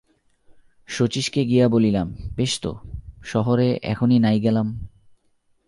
শচীশকে গিয়া বলিলাম, বেশ তো, শহরে এখনই নাই গেলাম।